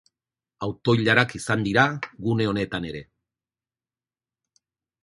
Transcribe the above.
Auto-ilarak izan dira gune honetan ere.